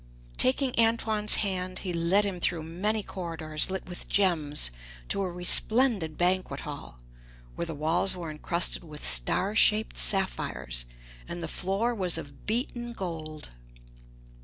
Taking Antoine's hand, he led him through many corridors lit with gems to a resplendent banquet hall, where the walls were encrusted with star shaped sapphires, and the floor was of beaten gold.